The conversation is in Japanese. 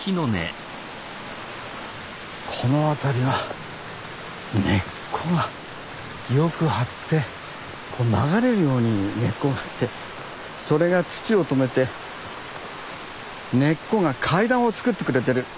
この辺りは根っこがよく張ってこう流れるように根っこが張ってそれが土を止めて根っこが階段を作ってくれてる。